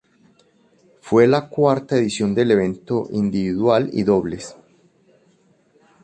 Fue la cuarta edición del evento individual y dobles.